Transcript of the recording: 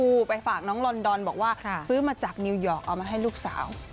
ไปฝากน้องลอนดอนบอกว่าซื้อมาจากนิวยอร์กเอามาให้ลูกสาว